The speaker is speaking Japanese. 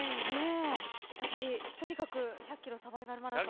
やっぱり、とにかく１００ｋｍサバイバルマラソンを。